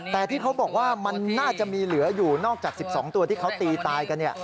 แต่ที่เขาบอกว่ามันน่าจะมีเหลืออยู่นอกจาก๑๒ตัวที่เขาตีตายกัน